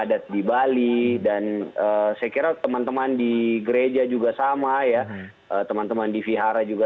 dari desa adat di bali dan sekitar teman teman di gereja juga sama ya teman teman di vihara juga